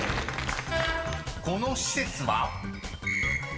［この施設は？］